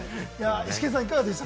イシケンさん、いかがでした？